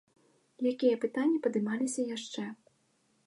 Якія пытанні падымаліся яшчэ?